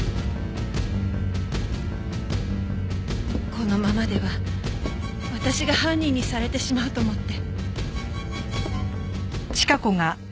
このままでは私が犯人にされてしまうと思って。